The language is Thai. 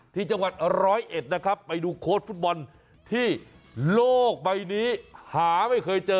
ที่จังหวัดร้อยเอ็ดนะครับไปดูโค้ดฟุตบอลที่โลกใบนี้หาไม่เคยเจอ